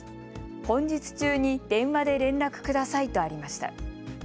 本日中に電話で連絡くださいとありました。